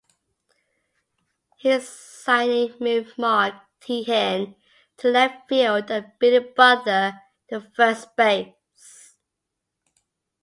His signing moved Mark Teahen to left field, and Billy Butler to first base.